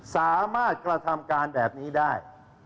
สามารถกระทำการแบบนี้ได้